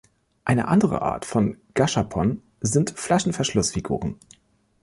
Eine andere Art von Gashapon sind Flaschenverschlussfiguren.